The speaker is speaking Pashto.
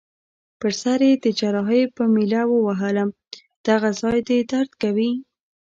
پر سر يي د جراحۍ په میله ووهلم: دغه ځای دي درد کوي؟